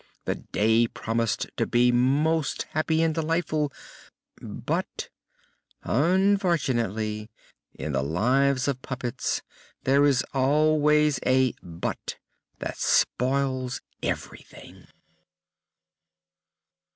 The day promised to be most happy and delightful, but Unfortunately in the lives of puppets there is always a "but" that spoils everything.